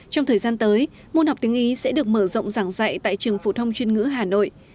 trong thời gian tới môn học tiếng ý sẽ được mở rộng giảng dạy tại trường phụ thông chuyên ngữ hà nội